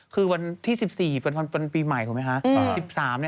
คือวันที่๑๔เป็นปีใหม่ถูกไหมคะ